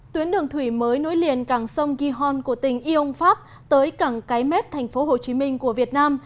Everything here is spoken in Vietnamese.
tuyến đường thủy mới nối liền cảng sông gihon của tỉnh yon pháp tới cảng cái mép thành phố hồ chí minh của việt nam